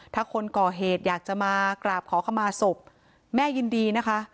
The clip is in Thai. ถ้าคนก่อเหตุอยากจะมากราบขอขมาศพแม่ยินดีนะคะ